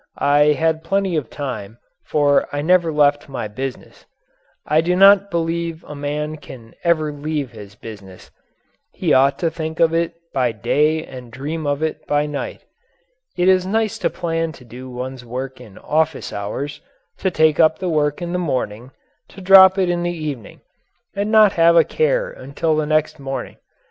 I had plenty of time, for I never left my business. I do not believe a man can ever leave his business. He ought to think of it by day and dream of it by night. It is nice to plan to do one's work in office hours, to take up the work in the morning, to drop it in the evening and not have a care until the next morning.